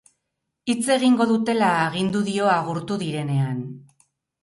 Hitz egingo dutela agindu dio agurtu direnean.